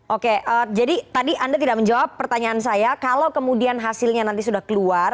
oke jadi tadi anda tidak menjawab pertanyaan saya kalau kemudian hasilnya nanti sudah keluar